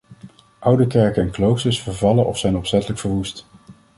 Oude kerken en kloosters vervallen of zijn opzettelijk verwoest.